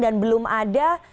dan belum ada